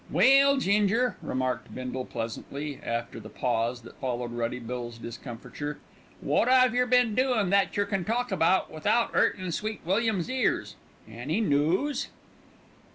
"Well, Ginger," remarked Bindle pleasantly, after the pause that followed Ruddy Bill's discomfiture, "wot 'ave yer been doin' that yer can talk about without 'urtin' Sweet William's ears. Any noos?"